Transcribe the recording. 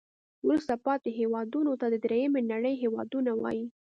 وروسته پاتې هیوادونو ته د دریمې نړۍ هېوادونه وایي.